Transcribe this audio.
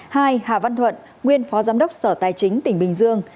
hai hà văn thuận nguyên phó giám đốc sở tài chính tỉnh bình dương